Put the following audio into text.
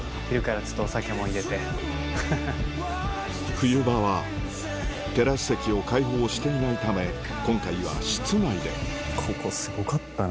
冬場はテラス席を開放していないため今回は室内でここすごかったな。